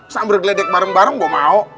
sambil gledek bareng bareng gua mau